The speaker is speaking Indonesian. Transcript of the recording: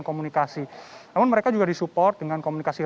komunikasi namun mereka juga disupport dengan komunikasi yang indah